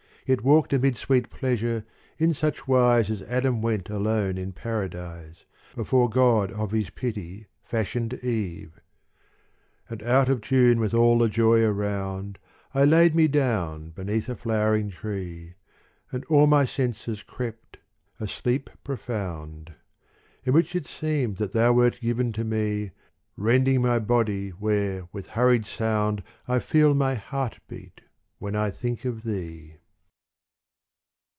Yet walked amid sweet pleasure in such wise As Adam went alone in Paradise, Before God of His pity fashioned Eve. And out of tune with all the joy around I laid me down beneath a flowering tree And o'er my senses crept a sleep profound : In which it seemed that thou wert given to me. Rending my body where with hurried sound I feel my heart beat when I think of thee.